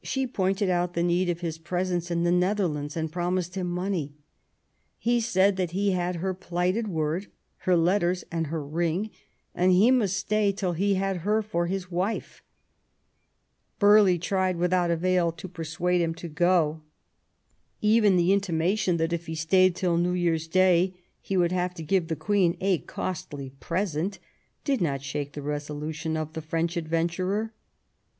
She pointed out the need of his presence in the Netherlands and promised him money ; he said that he had her plighted word, her letters, and her ring, and he must stay till he had her for his wife. Burghley tried without avail to persuade him to go. Even the intimation that, if he stayed till New Years Day, he would have to give the Queen a costly present did not shake the resolution of the French adventurer.